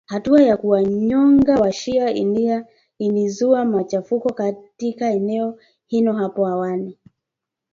Hatua ya kuwanyonga washia ilizua machafuko katika eneo hilo hapo awali